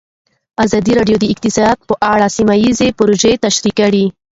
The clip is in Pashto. ازادي راډیو د اقتصاد په اړه سیمه ییزې پروژې تشریح کړې.